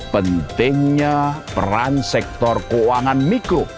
pentingnya peran sektor keuangan mikro